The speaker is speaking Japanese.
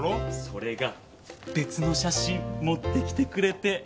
それが別の写真持ってきてくれて。